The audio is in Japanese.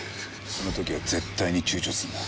その時は絶対に躊躇するな。